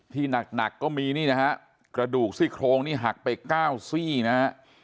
ที่หนักหนักก็มีนี่นะฮะกระดูกซี่โครงนี่หักไป๙ซี่นะฮะ